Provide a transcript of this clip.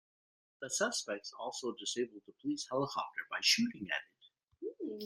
The suspects also disabled a police helicopter by shooting at it.